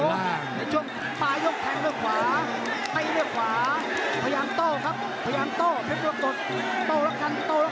ปลายก็ยกแพงด้วยขวา